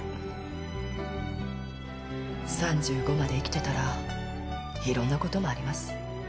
３５まで生きてたらいろんなこともあります。